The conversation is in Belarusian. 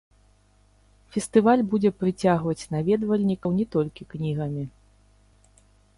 Фестываль будзе прыцягваць наведвальнікаў не толькі кнігамі.